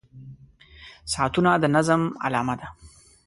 • ساعتونه د نظم علامه ده.